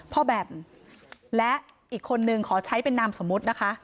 แบมและอีกคนนึงขอใช้เป็นนามสมมุตินะคะ